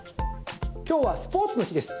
今日はスポーツの日です。